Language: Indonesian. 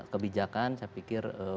kebijakan saya pikir